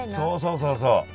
そうそうそうそう。